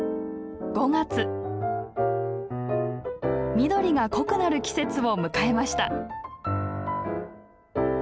緑が濃くなる季節を迎えました。